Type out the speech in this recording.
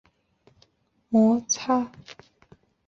时常发生小摩擦